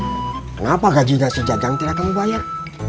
kenapa gaji nasi jadang tidak kamu bayar